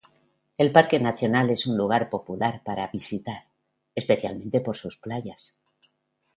El parque nacional es un lugar popular para visitar, especialmente por sus playas.